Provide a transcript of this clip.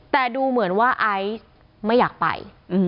แต่ดูเหมือนว่าไอซ์ไม่อยากไป